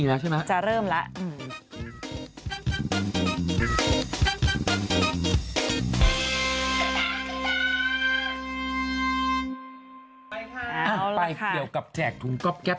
ไปเกี่ยวกับแจกถุงก๊อบแป๊บ